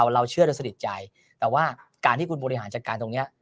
เราเชื่อโดยสนิทใจแต่ว่าการที่คุณบริหารจัดการตรงนี้